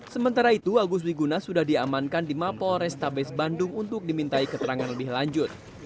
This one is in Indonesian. sementara itu agus wiguna sudah diamankan di mapol restabes bandung untuk dimintai keterangan lebih lanjut